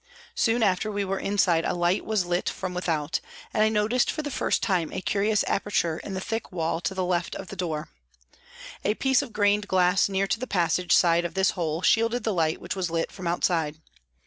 Soon after we were inside a light was lit from without, and I noticed for the first time a curious aperture in the thick wall to the left of the door. A piece of grained glass near to the passage side of this hole, shielded the light which was lit from outside.